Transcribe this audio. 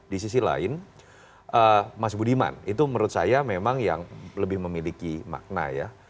di sisi lain mas budiman itu menurut saya memang yang lebih memiliki makna ya